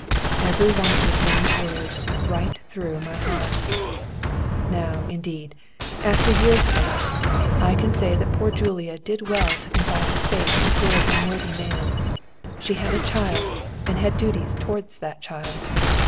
Every one of this woman's words went right through my heart. Now, indeed, after years have elapsed, I can say that poor Julia did well to confide her fate to a good and worthy man. She had a child, and had duties towards that child.